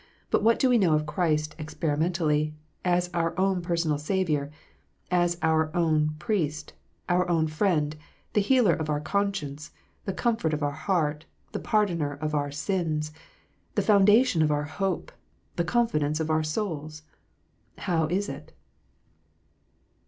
But what do we know of Christ experimentally, as our own per sonal Saviour, our own Priest, our own Friend, the Healer of our conscience, the Comfort of our heart, the Pardoner of our sins, the Foundation of our hope, the Confidence of our souls 1 How is it